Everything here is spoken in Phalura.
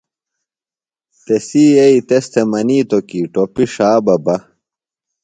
تسی یئی تس تھےۡ منِیتوۡ کی ٹوپیۡ ݜا بہ بہ۔